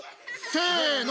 せの。